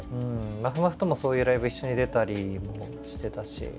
まふまふともそういうライブ一緒に出たりもしてたし。